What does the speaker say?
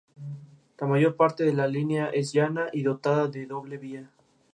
Karl afirma: "Soy un gran fan de Misery Signals.